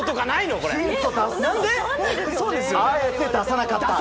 あえて出さなかった。